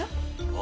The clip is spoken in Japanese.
あ？